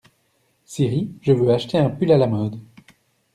Siri, je veux acheter un pull à la mode.